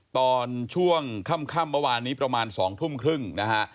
ตอนช่วงค่ำเมื่อวานนี้ประมาณ๒ทุ่มครึ่งนะฮะ